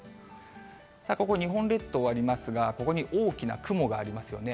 ここ、日本列島ありますが、ここに大きな雲がありますよね。